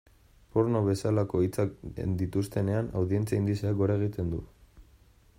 Porno bezalako hitzak dituztenean, audientzia indizeak gora egiten du.